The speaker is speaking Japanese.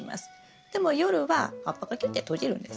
でも夜は葉っぱがキュッて閉じるんです。